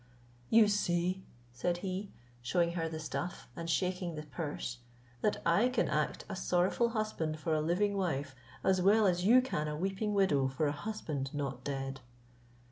"You see," said he, shewing her the stuff, and shaking the purse, "that I can act a sorrowful husband for a living wife, as well as you can a weeping widow for a husband not dead."